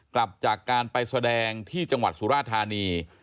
กลับจากการไปแสดงที่จังหวัดสุราธานี